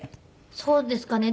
そうですかね？